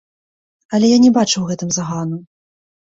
Але я не бачу ў гэтым загану.